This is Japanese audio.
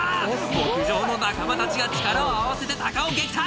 牧場の仲間たちが力を合わせてタカを撃退！